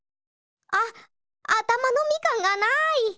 あっあたまのみかんがない！